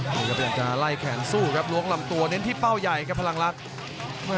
นี่ครับพยายามจะไล่แขนสู้ครับล้วงลำตัวเน้นที่เป้าใหญ่ครับพลังลักษณ์